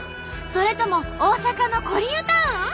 それとも大阪のコリアタウン？